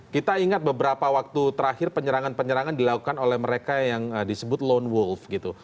kita ingat beberapa waktu terakhir penyerangan penyerangan dilakukan oleh mereka yang disebut lone wolf gitu